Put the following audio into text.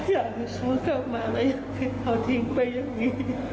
อยากจะสู้เข้ามาแล้วอยากให้เขาทิ้งไปอย่างนี้